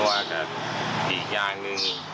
ส่งมาขอความช่วยเหลือจากเพื่อนครับ